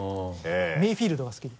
メイフィールドが好きで。